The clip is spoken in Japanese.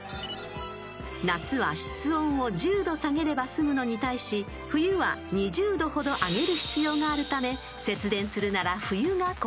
［夏は室温を１０℃下げれば済むのに対し冬は２０℃ほど上げる必要があるため］